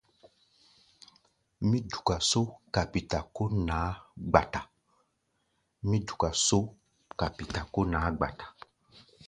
Mí duka só kapíta kó naá-gba-ta.